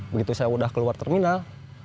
begitu saya udah keluar terminal